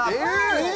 えっ？